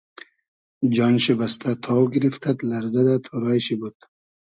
جان شی بئستۂ تاو گیریفتئد لئرزۂ دۂ تۉرای شی بود